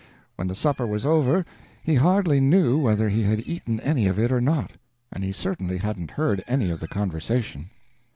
When the supper was over he hardly knew whether he had eaten any of it or not, and he certainly hadn't heard any of the conversation.